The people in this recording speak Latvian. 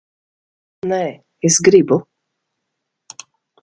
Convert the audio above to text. Nē, es gribu.